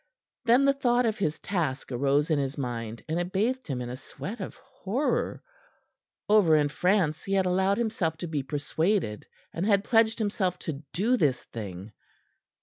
Then the thought of his task arose in his mind, and it bathed him in a sweat of horror. Over in France he had allowed himself to be persuaded, and had pledged himself to do this thing.